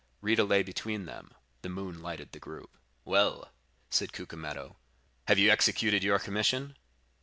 Rita lay between them. The moon lighted the group. "'Well,' said Cucumetto, 'have you executed your commission?